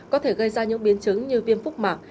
có thể gây ra những biến chứng như viêm phúc mạc